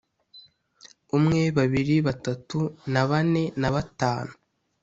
umwe, babiri, batatu na bane na batanu,